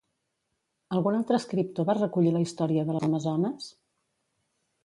Algun altre escriptor va recollir la història de les amazones?